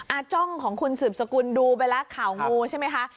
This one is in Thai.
จ้องของคุณสืบสกุลดูไปแล้วข่าวงูใช่ไหมคะ